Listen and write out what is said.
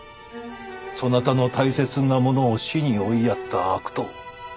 そなたの大切な者を死に追いやった悪党。